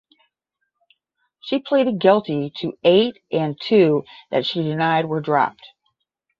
She pleaded guilty to eight and two that she denied were dropped.